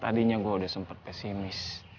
tadinya gua udah sempet pesimis